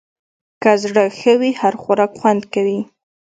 که زړه ښه وي، هر خوراک خوند کوي.